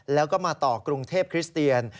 แล้วก็มาต่อกรุงเทพคริสเตียน